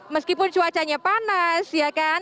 meskipun cuacanya panas ya kan